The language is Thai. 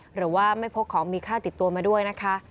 หรือว่าไม่พกของมีค่าติดตัวมาด้วยนะคะ